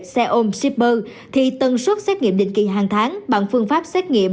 xe ôm shipper thì tần suất xét nghiệm định kỳ hàng tháng bằng phương pháp xét nghiệm